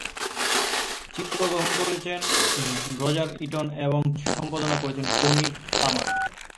চিত্রগ্রহণ করেছেন Roger Eaton এবং সম্পাদনা করেছেন টনি পামার।